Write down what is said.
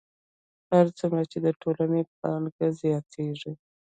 هر څومره چې د ټولنې پانګه زیاتېږي